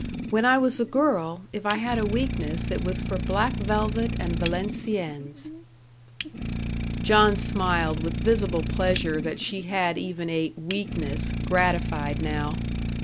When I was a girl, if I had a weakness it was for black velvet and Valenciennes." John smiled, with visible pleasure that she had even a "weakness" gratified now.